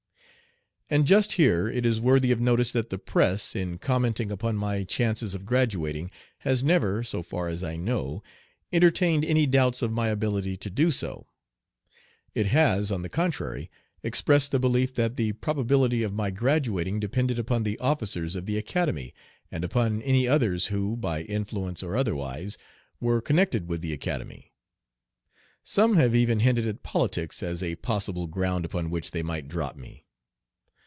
And just here it is worthy of notice that the press, in commenting upon my chances of graduating, has never, so far as I know, entertained any doubts of my ability to do so. It has, on the contrary, expressed the belief that the probability of my graduating depended upon the officers of the Academy, and upon any others who, by influence or otherwise, were connected with the Academy. Some have even hinted at politics as a possible ground upon which they might drop me.